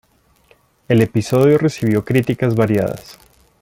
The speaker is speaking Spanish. El episodio recibió críticas variadas.